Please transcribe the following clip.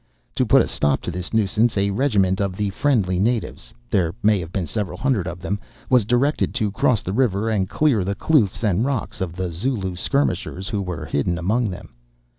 To put a stop to this nuisance a regiment of the friendly natives—there may have been several hundred of them—was directed to cross the river and clear the kloofs and rocks of the Zulu skirmishers who were hidden among them.